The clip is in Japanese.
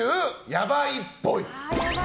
ヤバいっぽい。